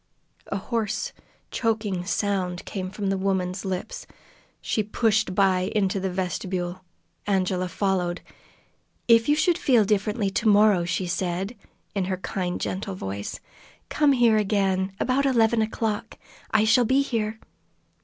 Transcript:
A hoarse, choking sound came from the woman's lips. She pushed by into the vestibule. Angela followed. "If you should feel differently to morrow," she said, in her kind, gentle voice, "come here again, about eleven o'clock. I shall be here."